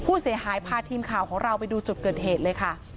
ผู้เสียหายพาทีมข่าวของเราไปดูจุดเกิดเหตุเลยค่ะ